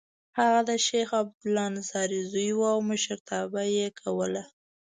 هغه د شیخ عبدالله انصاري زوی و او مشرتابه یې کوله.